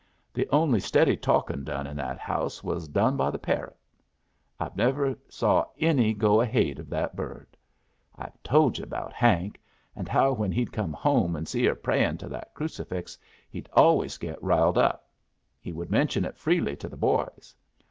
The only steady talkin' done in that house was done by the parrot. I've never saw any go ahaid of that bird. I have told yu' about Hank, and how when he'd come home and see her prayin' to that crucifix he'd always get riled up. He would mention it freely to the boys.